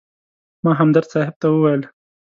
ما همدرد صاحب ته وویل.